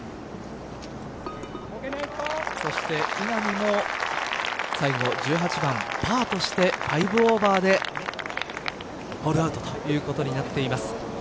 そして、稲見も最後１８番パーとして５オーバーでホールアウトということになっています。